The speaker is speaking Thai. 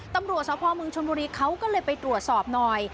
ตำรวจสพเมืองชนบุรีเขาก็เลยไปตรวจสอบหน่อย